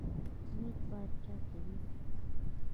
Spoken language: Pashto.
نیت باید چا ته وي؟